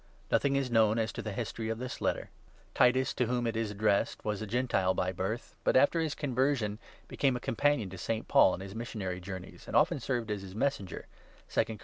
] NOTHING is known as to the history of this Letter. Titus, to whom it is addressed, was a Gentile by birth, but, after his conversion, became a companion of St. Paul on his Missionary Journeys, and often served as his Messenger (2 Cor.